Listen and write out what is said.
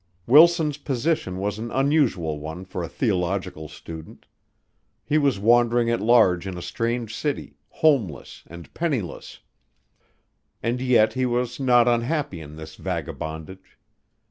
Wilson's position was an unusual one for a theological student. He was wandering at large in a strange city, homeless and penniless, and yet he was not unhappy in this vagabondage.